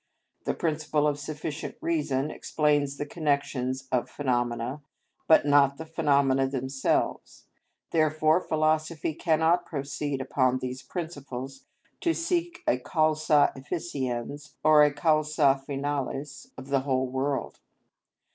The principle of sufficient reason explains the connections of phenomena, but not the phenomena themselves; therefore philosophy cannot proceed upon these principles to seek a causa efficiens or a causa finalis of the whole world.